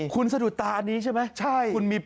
คุณสะดุดตาอันนี้ใช่ไหม